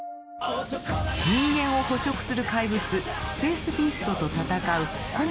人間を捕食する怪物「スペースビースト」と戦う孤